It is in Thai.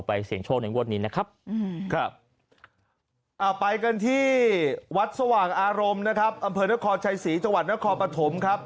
อ๋อไปกันที่วัดสว่างอารมณ์นะครับอำเภอนครชัยศรีจังหวัดนครปฐมครับ